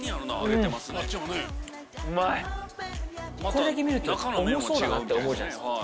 これだけ見ると重そうって思うじゃないですか。